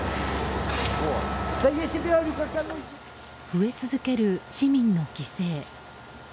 増え続ける市民の犠牲。